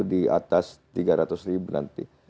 di atas tiga ratus ribu nanti